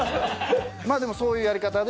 まあでもそういうやり方で。